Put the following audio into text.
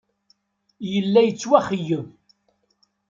Yella yettwaxeyyeb.